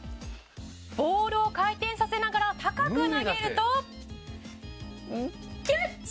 「ボールを回転させながら高く投げると」「キャッチ！」